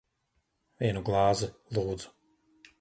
Vienu glāzi. Lūdzu.